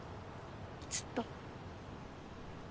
ずっと。